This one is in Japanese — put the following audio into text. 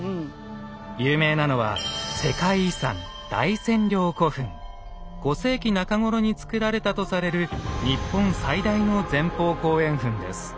有名なのは５世紀中ごろに造られたとされる日本最大の前方後円墳です。